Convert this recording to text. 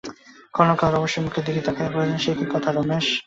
ক্ষণকাল রমেশের মুখের দিকে তাকাইয়া কহিলেন, সে কী কথা রমেশ!